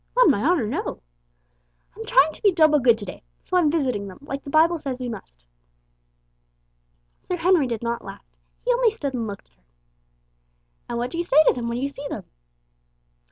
"On my honour, no." "I'm trying to be double good to day, so I'm visiting them, like the Bible says we must." Sir Henry did not laugh. He only stood and looked at her. "And what do you say to them when you see them?"